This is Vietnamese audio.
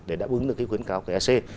để đáp ứng được cái khuyến cáo của ec